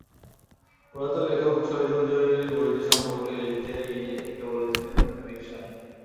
প্রয়াত লেখক শহিদুল জহির বইটি সম্পর্কে লিখতে গিয়ে একে বলেছিলেন মেটাফিকশন।